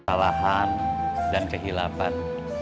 salahan dan kehilapan